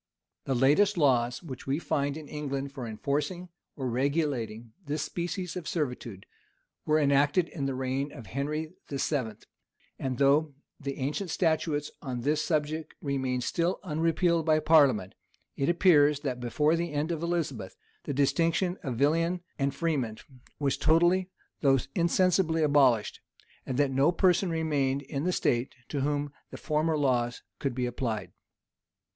The latest laws which we find in England for enforcing or regulating this species of servitude, were enacted in the reign of Henry VII. And though the ancient statutes on this subject remain still unrepealed by parliament, it appears that before the end of Elizabeth, the distinction of villain and freeman was totally, though insensibly abolished, and that no person remained in the state, to whom the former laws could be applied.